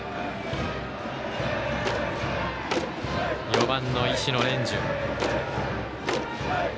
４番の石野蓮授。